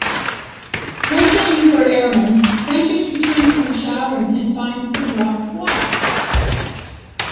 Fortunately for Aaron, Prentice returns from showering and finds the dropped watch.